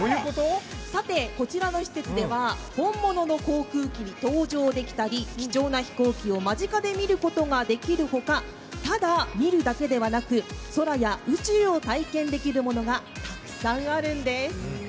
さてこちらの施設では本物の航空機に搭乗できたり貴重な飛行機を間近で見ることができるほか、ただ見るだけではなく、空や宇宙を体験できるものがたくさんあるんです。